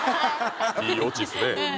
いいオチですね。